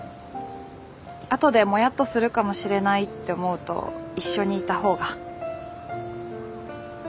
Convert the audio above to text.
あとでモヤっとするかもしれないって思うと一緒にいた方が。